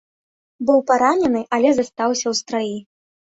Быў паранены, але застаўся ў страі.